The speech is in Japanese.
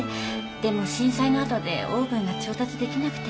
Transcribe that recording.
でも震災のあとでオーブンが調達できなくて。